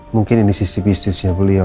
mungkin ini sisi bisnisnya beliau